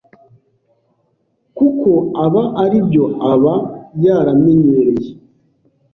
kuko aba aribyo aba yaramenyereye